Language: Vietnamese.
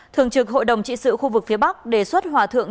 thường trực hội đồng trị sự khu vực phía bắc đề xuất hòa thượng